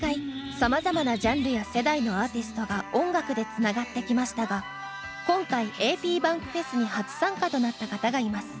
さまざまなジャンルや世代のアーティストが音楽でつながってきましたが今回ａｐｂａｎｋｆｅｓに初参加となった方がいます。